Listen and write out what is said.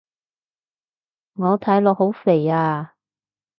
我睇落好肥啊